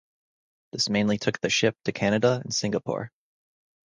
This mainly took the ship to Canada and Singapore.